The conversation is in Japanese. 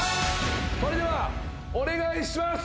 それではお願いします。